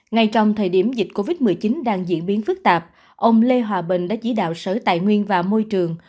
ngay trong thời điểm dịch covid một mươi chín đang diễn biến phức tạp ông lê hòa bình đã chỉ đạo sở tài nguyên và môi trường